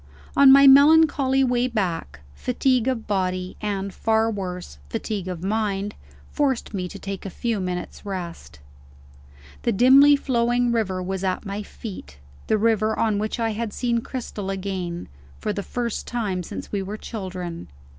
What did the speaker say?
On my melancholy way back, fatigue of body and, far worse, fatigue of mind forced me to take a few minutes' rest. The dimly flowing river was at my feet; the river on which I had seen Cristel again, for the first time since we were children.